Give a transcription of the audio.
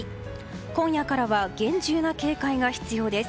今夜からは厳重な警戒が必要です。